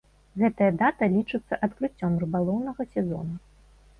Гэтая дата лічыцца адкрыццём рыбалоўнага сезона.